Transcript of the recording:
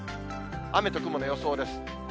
雨と雲の予想です。